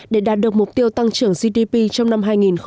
để đạt được mục tiêu tăng trưởng gdp trong năm hai nghìn một mươi bảy